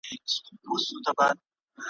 وخت ته خو معلومه ده چي زور د بګړۍ څه وايی ,